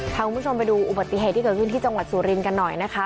พาคุณผู้ชมไปดูอุบัติเหตุที่เกิดขึ้นที่จังหวัดสุรินทร์กันหน่อยนะคะ